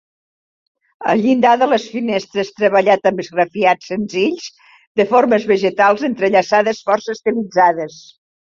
El llindar de les finestres treballat amb esgrafiats senzills de formes vegetals entrellaçades forçà estilitzades.